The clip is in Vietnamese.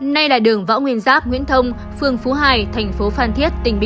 này là đường võ nguyên giáp nguyễn thông phương phú hải tp ph